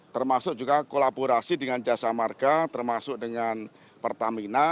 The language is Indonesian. termasuk juga kolaborasi dengan jasa marga termasuk dengan pertamina